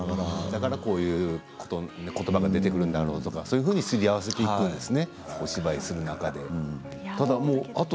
だからこういう言葉が出るんだろうとそういうふうにすり合わせていくんですね、お芝居をするにあたり。